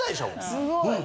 すごい。